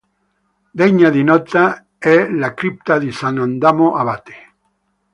Degna di nota è la cripta di Sant'Adamo abate.